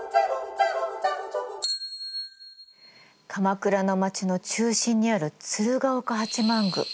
鎌倉の町の中心にある鶴岡八幡宮。